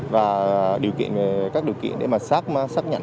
và các điều kiện để xác nhận